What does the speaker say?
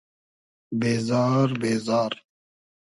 بېزار بېزار